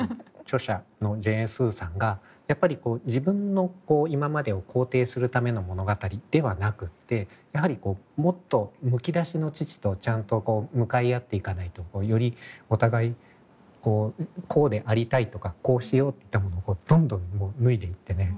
著者のジェーン・スーさんがやっぱり自分の今までを肯定するための物語ではなくってやはりこうもっとむき出しの父とちゃんと向かい合っていかないとよりお互いこうでありたいとかこうしようってものをどんどん脱いでいってね